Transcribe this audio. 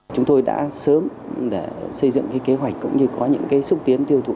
chúng tôi đã sớm xây dựng kế hoạch cũng như có những xúc tiến tiêu thụ